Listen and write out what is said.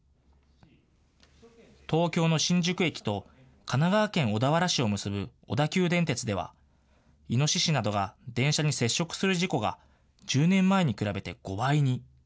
東京の新宿駅と神奈川県小田原市を結ぶ小田急電鉄では、イノシシなどが電車に接触する事故が、１０年前に比べて５倍に。